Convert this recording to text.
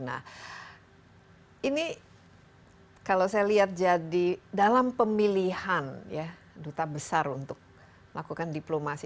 nah ini kalau saya lihat jadi dalam pemilihan ya duta besar untuk melakukan diplomasi